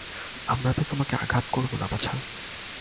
আমরা তোমাকে আঘাত করব না, বাছা।